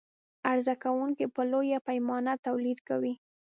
عرضه کوونکى په لویه پیمانه تولید کوي.